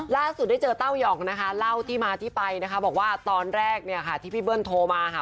ได้เจอเต้ายองนะคะเล่าที่มาที่ไปนะคะบอกว่าตอนแรกเนี่ยค่ะที่พี่เบิ้ลโทรมาค่ะ